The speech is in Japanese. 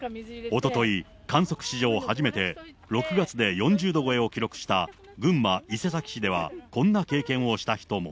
おととい、観測史上初めて６月で４０度超えを記録した群馬・伊勢崎市では、こんな経験をした人も。